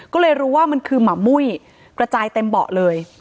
ก็เลยรู้ว่ามันคือหมามุ้ยกระจายเต็มเบาะเลย